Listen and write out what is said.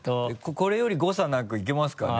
これより誤差なくいけますかね